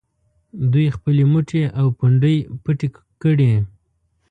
دوی خپلې مټې او پنډۍ پټې کړي.